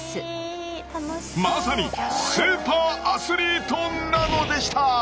まさにスーパーアスリートなのでした。